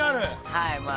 ◆はい。